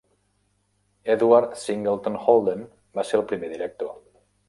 Edward Singleton Holden va ser el primer director.